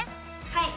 はい！